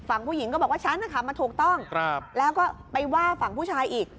ฝั่งผู้หญิงก็บอกว่าฉันมาถูกต้องแล้วก็ไปว่าฝั่งผู้ชายอีก